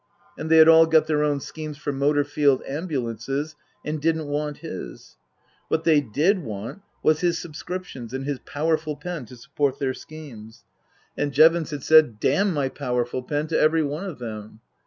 And they had all got their own schemes for Motor Field Ambulances, and didn't want his. What they did want was his subscriptions and his powerful pen to support their schemes. And Jevons 264 Tasker Jevons had said, " Damn my powerful pen !" to every one of them.